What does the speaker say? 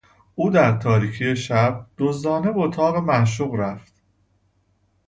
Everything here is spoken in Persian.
او در تاریکی شب، دزدانه به اتاق معشوق رفت.